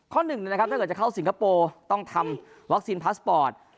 หนึ่งนะครับถ้าเกิดจะเข้าสิงคโปร์ต้องทำวัคซีนพาสปอร์ต